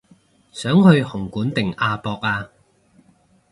想去紅館定亞博啊